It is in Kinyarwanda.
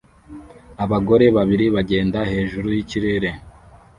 Abagore babiri bagenda hejuru yikirenge